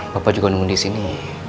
bapak juga nemu di sini